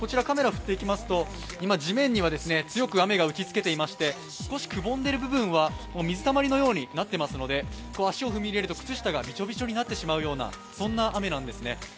今、地面には強く雨が打ちつけていまして少しくぼんでいる部分は水たまりのようになっていますので足を踏み入れると、靴下がびちょびちょになってしまうそんなような雨なんですね。